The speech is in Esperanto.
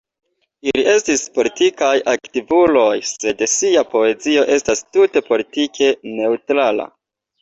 Ili estis politikaj aktivuloj, sed sia poezio estas tute politike neŭtrala.